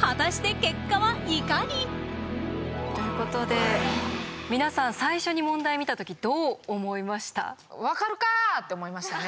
果たして結果はいかに？ということで皆さん最初に問題見た時どう思いました？って思いましたね。